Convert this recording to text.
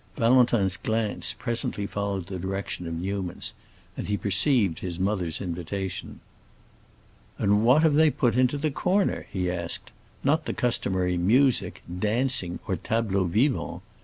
Valentin's glance presently followed the direction of Newman's, and he perceived his mother's invitation. "And what have they put into the corner?" he asked. "Not the customary 'music,' 'dancing,' or 'tableaux vivants'?